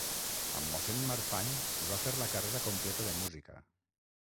Amb mossèn Marfany va fer la carrera completa de música.